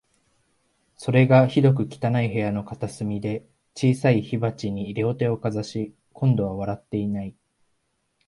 それが、ひどく汚い部屋の片隅で、小さい火鉢に両手をかざし、今度は笑っていない